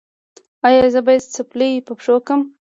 ایا زه باید څپلۍ په پښو کړم؟